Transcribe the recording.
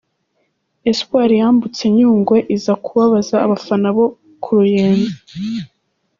Espoir yambutse Nyungwe, iza kubabaza abafana bo ku Ruyenzi.